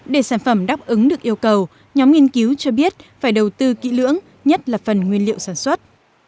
để sản phẩm đáp ứng được yêu cầu nhóm nghiên cứu cho biết phải đầu tư kỹ lưỡng nhất là phần nguyên liệu sản xuất